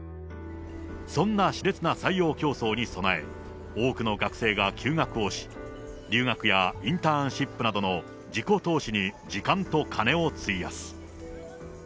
そんなしれつな採用競争に備え、多くの学生が休学をし、留学やインターンシップなどの自己投資に時間と金を費やす。